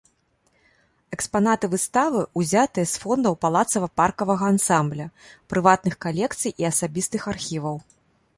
Экспанаты выставы узятыя з фондаў палацава-паркавага ансамбля, прыватных калекцый і асабістых архіваў.